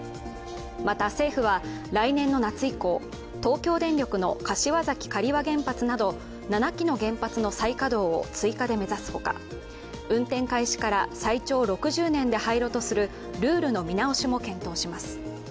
また、政府は来年の夏以降東京電力の柏崎刈羽原発など７基の原発の再稼働を追加で目指すほか、運転開始から最長６０年で廃炉とするルールの見直しも検討します。